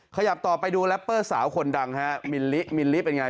ขยับต่อไปดูแรปเปอร์สาวคนดังฮะมิลลิมิลลิเป็นไง